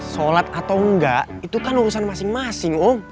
sholat atau enggak itu kan urusan masing masing